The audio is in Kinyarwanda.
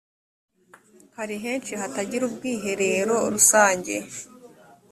hari henshi hatagira ubwiherero rusange